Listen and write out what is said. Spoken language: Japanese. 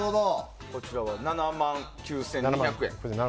こちらは７万９２００円。